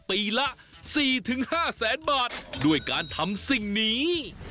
ปีละ๔๕แสนบาทด้วยการทำสิ่งนี้